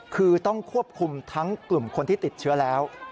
คือต้องควบคุมทั้งกลุ่มคนที่ติดเชื้อแล้ว